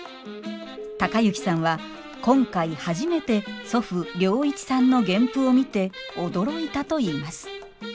之さんは今回初めて祖父良一さんの原譜を見て驚いたといいます。